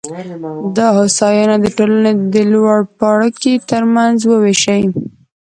دا هوساینه د ټولنې د لوړپاړکي ترمنځ ووېشي.